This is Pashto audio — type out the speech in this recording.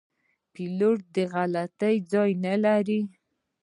پیلوټ د غلطي ځای نه لري.